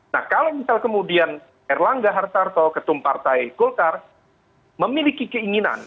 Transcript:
nah kalau misal kemudian erlangga hartarto ketum partai golkar memiliki keinginan